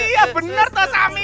ya benar tosami